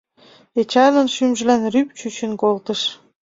Эчанын шӱмжылан рӱп чучын колтыш.